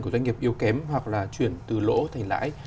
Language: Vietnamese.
của doanh nghiệp yếu kém hoặc là chuyển từ lỗ thành lãi